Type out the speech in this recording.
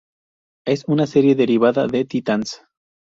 Es una serie derivada de "Titans".